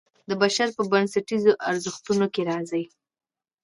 د بشر په بنسټیزو ارزښتونو کې راځي.